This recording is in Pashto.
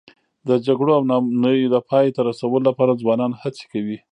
د جګړو او ناامنیو د پای ته رسولو لپاره ځوانان هڅې کوي.